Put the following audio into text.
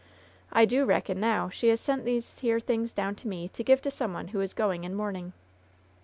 I do reckon now she has sent these here things down to me to give to some one who is going in mourning."